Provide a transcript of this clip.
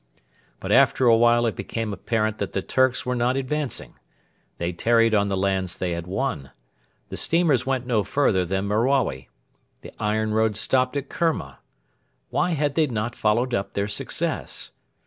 But after a while it became apparent that the 'Turks' were not advancing. They tarried on the lands they had won. The steamers went no further than Merawi. The iron road stopped at Kerma. Why had they not followed up their success?